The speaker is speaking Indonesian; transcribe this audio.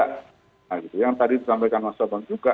nah yang tadi disampaikan mas bambang juga